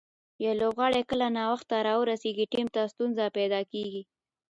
یو لوبغاړی کله ناوخته راورسېږي، ټیم ته ستونزه پېدا کیږي.